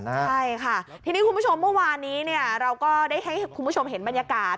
ใช่ค่ะทีนี้คุณผู้ชมเมื่อวานนี้เราก็ได้ให้คุณผู้ชมเห็นบรรยากาศ